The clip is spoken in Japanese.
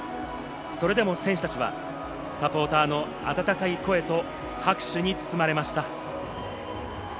それでも選手たちはサポーターの温かい声と拍手に包まれました。